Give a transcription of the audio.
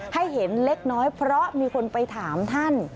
ให้เห็นเล็กน้อยเพราะมีคนไปถามท่าน